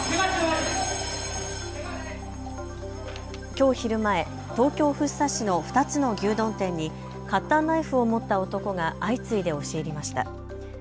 きょう昼前、東京福生市の２つの牛丼店にカッターナイフを持った男が相次いで押し入りました。